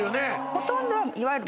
ほとんどはいわゆる。